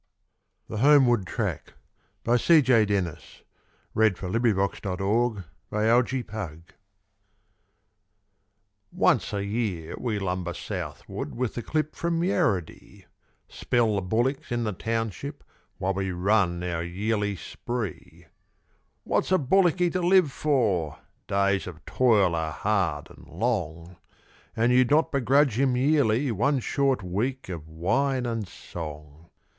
he moonlight streamin' on 'er face, An' on 'er yeller 'air. THE HOMEWARD TRACK Once a year we lumber southward with the clip from Yarradee; Spell the bullocks in the township while we run our yearly spree. What's a bullocky to live for? Days of toil are hard and long; And you'd not begrudge him yearly one short week of wine anD song.